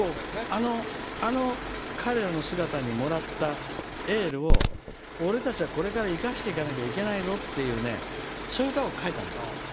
彼らの姿にもらったエールを俺たちは、これから生かしていかなきゃいけないぞってそういう歌を書いたんです。